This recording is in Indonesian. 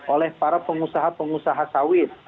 oleh para pengusaha pengusaha sawit